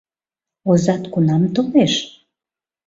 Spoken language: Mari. Озат кунам толеш?